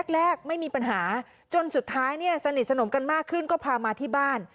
แรกไม่มีปัญหาจนสุดท้ายเนี่ยสนิทสนมกันมากขึ้นก็พามาที่บ้าน